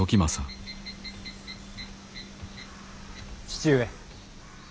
父上。